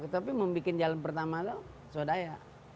tapi membuat jalan pertama itu swadaya